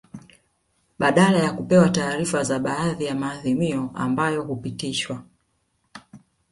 Badala ya kupewa taarifa za baadhi ya maadhimio ambayo hupitishwa